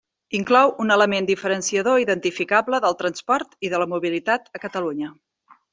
Inclou un element diferenciador i identificable del transport i de la mobilitat a Catalunya.